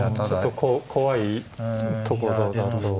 ちょっと怖いところだと。